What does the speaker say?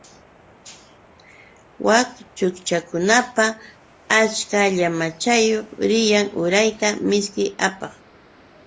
Wak chutchakunaqa ach achka llamachayuq riyan urayta mishki apaq.